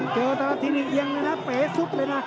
เจอตลาดทีนี้ยังไงนะเป๋ซุบเลยนะ